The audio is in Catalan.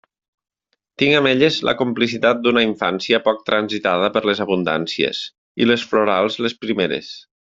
Tinc amb elles la complicitat d'una infància poc transitada per les abundàncies, i les florals les primeres.